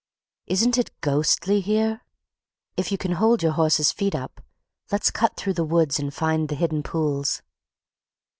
"Isn't it ghostly here? If you can hold your horse's feet up, let's cut through the woods and find the hidden pools."